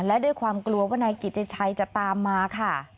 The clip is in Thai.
และด้วยความกลัวว่านายกิติชัยจะตามมาค่ะ